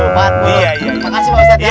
makasih pak ustadz ya